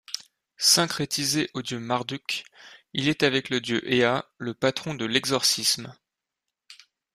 Syncrétisé au dieu Marduk, il est avec le dieu Ea le patron de l'exorcisme.